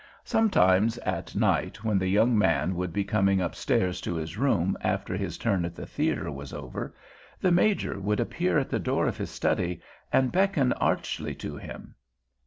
Sometimes, at night, when the young man would be coming upstairs to his room after his turn at the theater was over, the Major would appear at the door of his study and beckon archly to him.